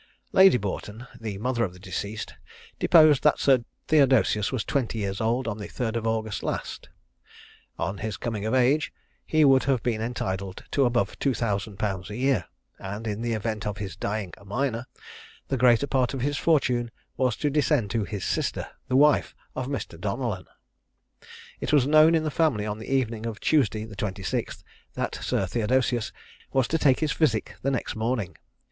Lady Boughton, the mother of the deceased, deposed that Sir Theodosius was twenty years old on the 3rd of August last. On his coming of age, he would have been entitled to above 2000_l._ a year; and in the event of his dying a minor, the greater part of his fortune was to descend to his sister, the wife of Mr. Donellan. It was known in the family on the evening of Tuesday, the 26th, that Sir Theodosius was to take his physic the next morning.